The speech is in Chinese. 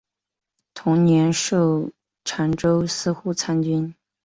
同年授澶州司户参军。